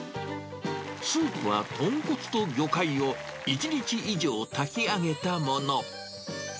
スープは豚骨と魚介を１日以上炊き上げたもの。